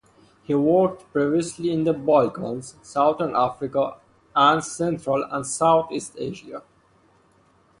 He worked previously in the Balkans, southern Africa, and central and southeast Asia.